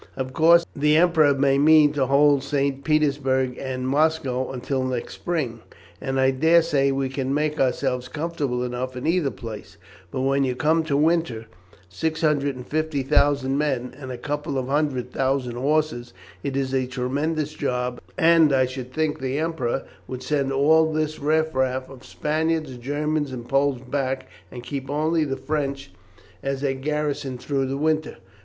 Of course, the Emperor may mean to hold St. Petersburg and Moscow until next spring, and I daresay we could make ourselves comfortable enough in either place; but when you come to winter six hundred and fifty thousand men, and a couple of hundred thousand horses, it is a tremendous job; and I should think the Emperor would send all this riff raff of Spaniards, Germans, and Poles back, and keep only the French as a garrison through the winter.